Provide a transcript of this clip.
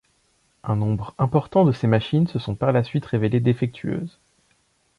Un nombre important de ces machines se sont par la suite révélées défectueuses.